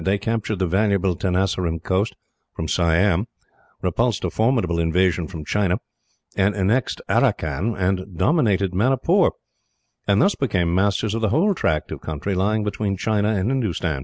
They captured the valuable Tenasserim coast, from Siam; repulsed a formidable invasion from China; annexed Aracan, and dominated Manipur, and thus became masters of the whole tract of country lying between China and Hindustan.